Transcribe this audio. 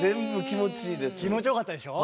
気持ちよかったでしょ。